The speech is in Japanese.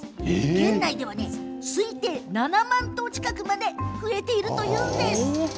県内でなんと推計７万頭近くまで増えているといわれています。